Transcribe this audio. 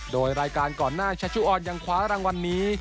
โดยรายการก่อนหน้าชัชชุออนยังคว้ารางวัลนี้